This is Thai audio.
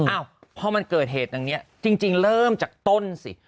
อ้าวพอมันเกิดเหตุอย่างนี้จริงเริ่มจากต้นสิ